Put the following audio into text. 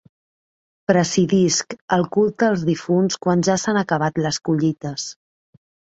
Presidisc el culte als difunts, quan ja s’han acabat les collites.